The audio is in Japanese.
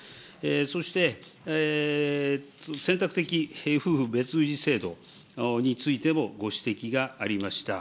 そして、選択的夫婦別氏制度についても、ご指摘がありました。